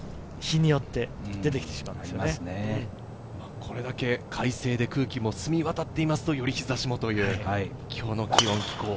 これだけ快晴で空気も澄み渡っていると、より日差しもという今日の気温、気候。